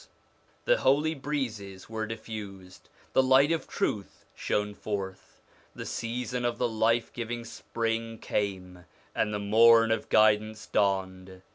1 The holy breezes were diffused, the light of truth shone forth, the season of the life giving spring came, and the morn of guidance dawned.